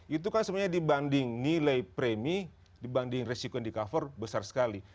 itu kan sebenarnya dibanding nilai premi dibanding resiko yang di cover besar sekali